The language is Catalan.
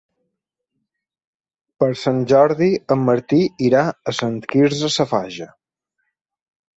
Per Sant Jordi en Martí irà a Sant Quirze Safaja.